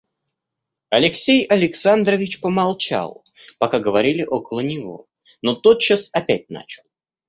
Алексей Александрович помолчал, пока говорили около него, но тотчас опять начал.